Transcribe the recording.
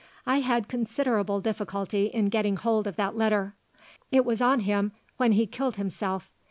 I had considerable difficulty in getting hold of that letter. It was on him when he killed himself.